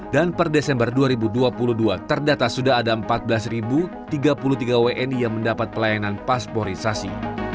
dan per desember dua ribu dua puluh dua terdata sudah ada empat belas tiga puluh tiga wni yang mendapat pelayanan pasporisasi